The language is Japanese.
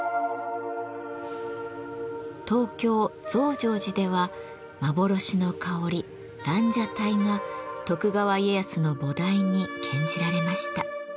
東京・増上寺では幻の香り「蘭奢待」が徳川家康の菩提に献じられました。